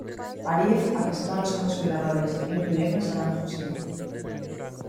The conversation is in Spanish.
Arif arrestó a los conspiradores, incluyendo a Sadam Husein.